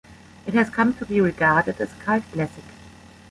It has come to be regarded as a cult classic.